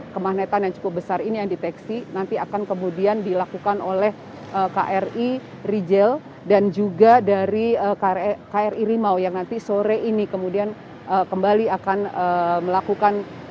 kemahnetan yang cukup besar ini yang diteksi nanti akan kemudian dilakukan oleh kri rigel dan juga dari kri rimau yang nanti sore ini kemudian kembali akan melakukan